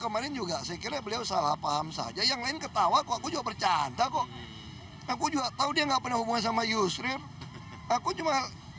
makanya kalau orang main politik perasaannya langsung kena